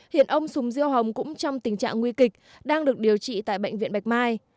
hiện ông sùng diêu hồng cũng trong tình trạng nguy kịch đang được điều trị tại bệnh viện bạch mai